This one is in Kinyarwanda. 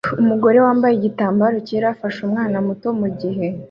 Umugore wambaye igitambara cyera afashe umwana muto mugihe